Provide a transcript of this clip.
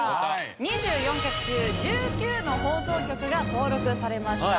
２４局中１９の放送局が登録されました。